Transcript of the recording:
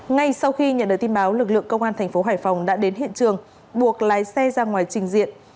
ngay sau khi nhận được tin báo lực lượng công an tp hcm đã đến hiện trường buộc lái xe ra ngoài trình diện